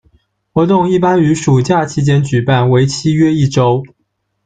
活动一般于暑假期间举办，为期约一周。